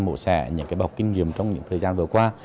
mổ xẻ những cái bọc kinh nghiệm trong những thời gian vừa qua